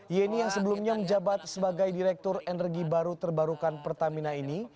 yeni yang sebelumnya menjabat sebagai direktur energi baru terbarukan pertamina ini